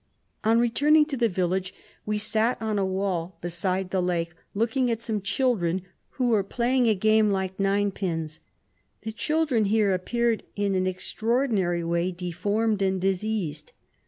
On returning to the village, we sat on a wall beside the lake, looking at some children who were playing at a game like ninepins. The children here appeared in an extraordinary way deformed and diseased.